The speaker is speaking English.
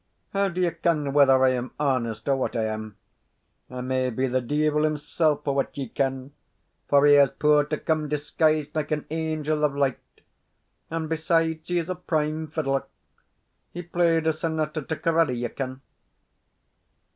How do ye ken whether I am honest, or what I am? I may be the deevil himsell for what ye ken, for he has power to come disguised like an angel of light; and, besides, he is a prime fiddler. He played a sonata to Corelli, ye ken."